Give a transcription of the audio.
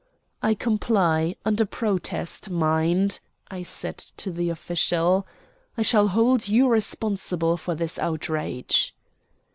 "I comply under protest, mind," I said to the official. "I shall hold you responsible for this outrage."